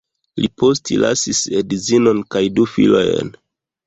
Li postlasis edzinon kaj du filojn.